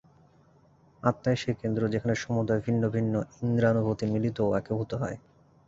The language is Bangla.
আত্মাই সেই কেন্দ্র, যেখানে সমুদয় ভিন্ন ভিন্ন ইন্দ্রিয়ানুভূতি মিলিত ও একীভূত হয়।